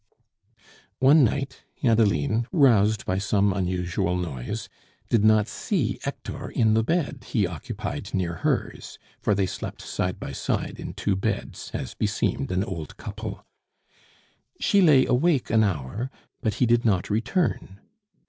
One night, Adeline, roused by some unusual noise, did not see Hector in the bed he occupied near hers; for they slept side by side in two beds, as beseemed an old couple. She lay awake an hour, but he did not return.